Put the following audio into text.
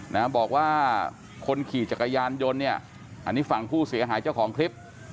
นะบอกว่าคนขี่จักรยานยนต์เนี่ยอันนี้ฝั่งผู้เสียหายเจ้าของคลิป